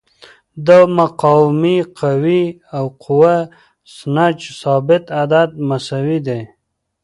د مقاومې قوې او قوه سنج ثابت عدد مساوي دي.